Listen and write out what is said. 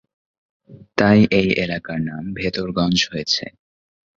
তাই এই এলাকার নাম ভেদরগঞ্জ হয়েছে।